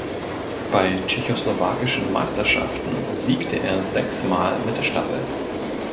Bei tschechoslowakischen Meisterschaften siegte er sechsmal mit der Staffel.